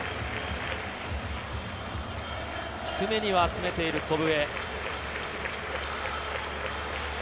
低めには集めている祖父